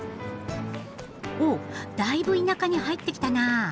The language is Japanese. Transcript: おおだいぶ田舎に入ってきたなあ。